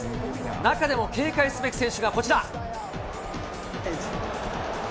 中でも警戒すべき選手がこちら。